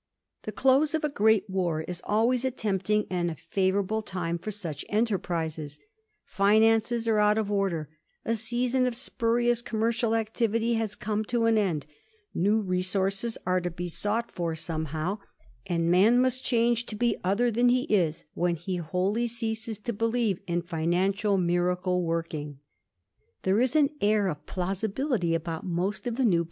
The close of a great war is always a tempting and a favourable time for such enterprises. Finances are out of order ; a season of spurious commercial activity has come to an end ; new resources are to be sought for somehow ; and Digiti zed by Google 1718 19. THE MISSISSIPPI SCHEME. 241 man must change to be other than he is when he wholly ceases to believe in financial miracle working. There is an air of plausibility about most of the new